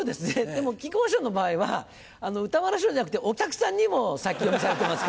でも木久扇師匠の場合は歌丸師匠じゃなくてお客さんにも先読みされてますからね。